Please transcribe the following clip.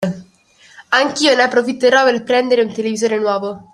Anch'io ne approfitterò per prendere un televisore nuovo.